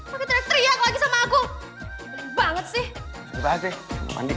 hei kamu kenapa sih marah marah